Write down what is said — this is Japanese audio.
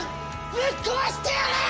ぶっ壊してやらぁ！